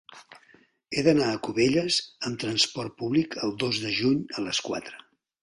He d'anar a Cubelles amb trasport públic el dos de juny a les quatre.